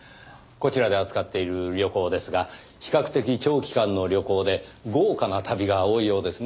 こちらで扱っている旅行ですが比較的長期間の旅行で豪華な旅が多いようですねぇ。